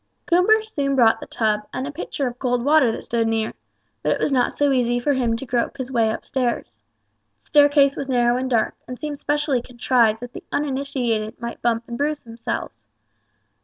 Coomber soon brought the tub, and a pitcher of cold water that stood near, but it was not so easy for him to grope his way upstairs. The staircase was narrow and dark, and seemed specially contrived that the uninitiated might bump and bruise themselves.